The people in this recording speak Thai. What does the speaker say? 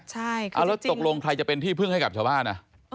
ใช่แล้วตกลงใครจะเป็นที่พึ่งให้กับชาวบ้าน